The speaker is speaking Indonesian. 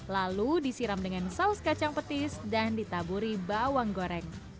lalu disiram dengan saus kacang petis dan ditaburi bawang goreng